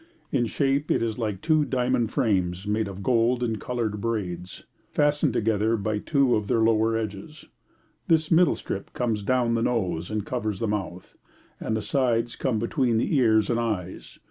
In shape it is like two diamond frames made of gold and coloured braids, fastened together by two of their lower edges. This middle strip comes down the nose and covers the mouth, and the sides come between the ears and eyes.